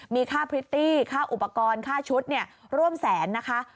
มีค่าพริตตี้ค่าอุปกรณ์ค่าชุดร่วมแสนนะคะ